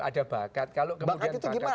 ada bakat kalau kemudian bakat